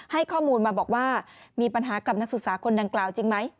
ให้ข้อมูลมาบอกว่ามีปัญหากับนักศึกษาคนดังกล่าวจริงไหม